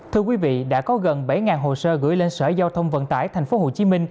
thưa quý vị đã có gần bảy hồ sơ gửi lên sở giao thông vận tải tp hcm